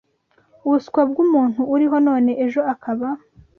ubuswa bw’umuntu uriho none ejo akaba